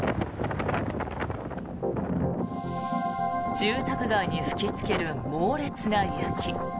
住宅街に吹きつける猛烈な雪。